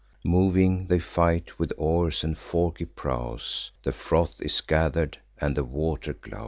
Moving they fight; with oars and forky prows The froth is gather'd, and the water glows.